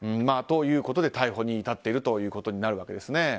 ということで逮捕に至っているということになるわけですね。